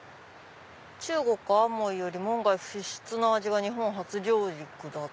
「中国・厦門より門外不出の味が日本初上陸」。